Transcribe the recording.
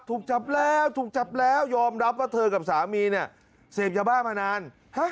ถูกจับแล้วถูกจับแล้วยอมรับว่าเธอกับสามีเนี่ยเสพยาบ้ามานาน